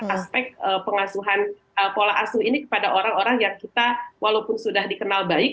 aspek pengasuhan pola asuh ini kepada orang orang yang kita walaupun sudah dikenal baik